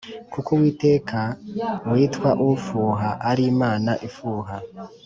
Kuko uwiteka witwa ufuha ari imana ifuha